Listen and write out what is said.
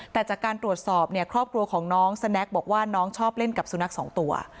แต่จากการตรวจสอบเนี่ยครอบครัวของน้องสแน็กบอกว่าน้องชอบเล่นกับสุนัขสองตัว